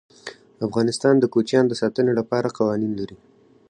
افغانستان د کوچیان د ساتنې لپاره قوانین لري.